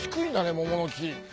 桃の木。